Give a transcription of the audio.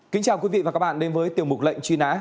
kính chào quý vị và các bạn đến với tiểu mục lệnh truy nã